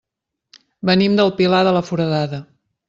Venim del Pilar de la Foradada.